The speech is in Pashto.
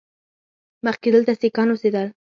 مخکې دلته سیکان اوسېدل